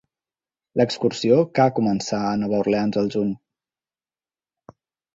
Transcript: L'excursió ca començar a Nova Orleans al juny.